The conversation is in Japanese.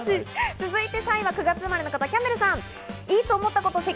続いて３位は９月生まれの方、キャンベルさん。